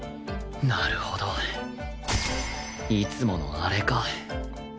なるほどいつものあれか